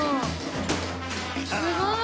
すごい！